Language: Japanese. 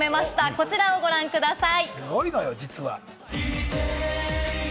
こちらをご覧ください。